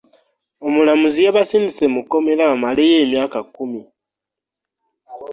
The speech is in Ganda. Omulamuzi yabasindise mu kkomera bamaleyo emyaka kkumi.